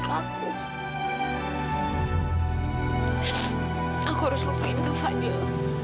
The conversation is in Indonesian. aku harus lupain kak fadil